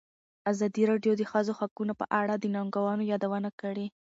ازادي راډیو د د ښځو حقونه په اړه د ننګونو یادونه کړې.